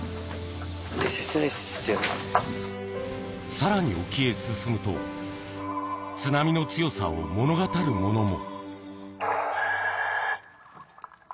さらに沖へ進むと、津波の強さを物語るものも。